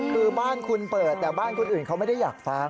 คือบ้านคุณเปิดแต่บ้านคนอื่นเขาไม่ได้อยากฟัง